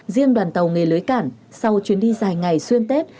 riêng đoàn tàu nghề lưới cản sau chuyến đi dài ngày xuyên tết